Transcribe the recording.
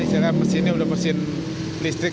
sekarang mesin ini udah mesin listrik